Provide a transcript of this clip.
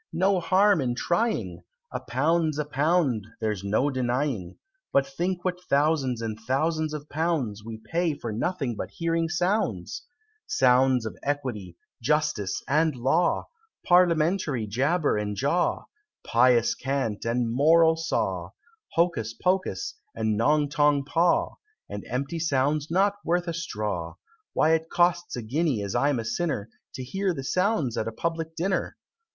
no harm in trying! A pound's a pound there's no denying; But think what thousands and thousands of pounds We pay for nothing but hearing sounds: Sounds of Equity, Justice, and Law, Parliamentary jabber and jaw, Pious cant and moral saw, Hocus pocus, and Nong tong paw, And empty sounds not worth a straw; Why it costs a guinea, as I'm a sinner, To hear the sounds at a Public Dinner!